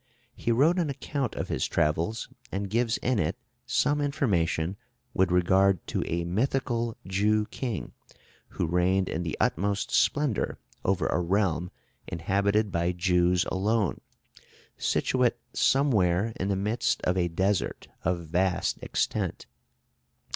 He wrote an account of his travels, and gives in it some information with regard to a mythical Jew king, who reigned in the utmost splendor over a realm inhabited by Jews alone, situate somewhere in the midst of a desert of vast extent.